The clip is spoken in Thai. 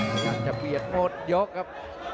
อยากจะเปรียบหมดยกครับ